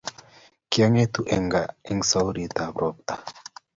kiangetu en kaa suauritab roptaa